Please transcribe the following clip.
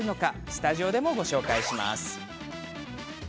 スタジオでご紹介します。